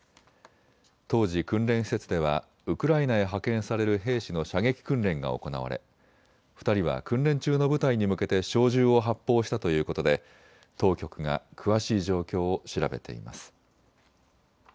当時、訓練施設ではウクライナへ派遣される兵士の射撃訓練が行われ２人は訓練中の部隊に向けて小銃を発砲したということで当局が詳しい状況を調べています。